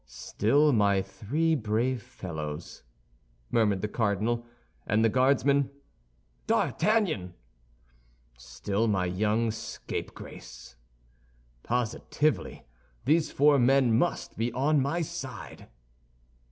"Still my three brave fellows!" murmured the cardinal. "And the Guardsman?" "D'Artagnan." "Still my young scapegrace. Positively, these four men must be on my side."